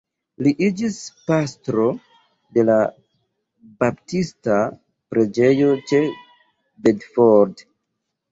Li iĝis pastro de la baptista preĝejo ĉe Bedford.